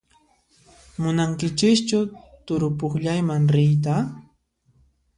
Munankichischu turupukllayman riyta?